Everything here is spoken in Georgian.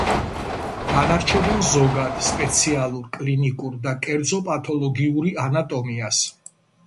განარჩევენ ზოგად, სპეციალურ, კლინიკურ და კერძო პათოლოგიური ანატომიას.